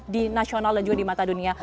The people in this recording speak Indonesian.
di nasional dan juga di mata dunia